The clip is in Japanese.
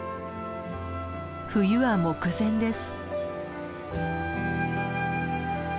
冬は目前です。